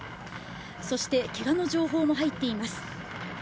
そしてけがの情報も入っています。